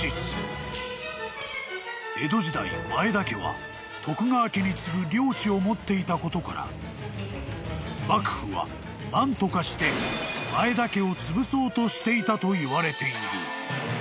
［江戸時代前田家は徳川家に次ぐ領地を持っていたことから幕府は何とかして前田家をつぶそうとしていたといわれている］